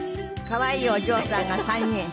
可愛いお嬢さんが３人。